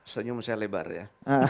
senyum saya lebar ya